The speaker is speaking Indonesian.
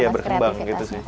iya berkembang gitu sih